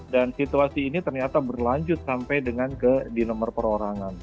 dan situasi ini ternyata berlanjut sampai dengan ke di nomor perorangan